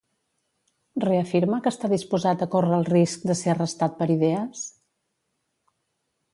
Reafirma que està disposat a córrer el risc de ser arrestat per idees?